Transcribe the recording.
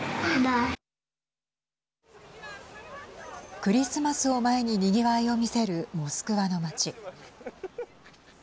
クリスマスを前ににぎわいを見せるモスクワの街。